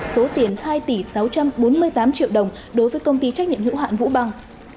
số tiền hai tỷ sáu trăm bốn mươi tám triệu đồng đối với công ty trách nhiệm hữu hạn vũ bằng